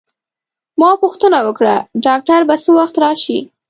ما پوښتنه وکړه: ډاکټر به څه وخت راشي؟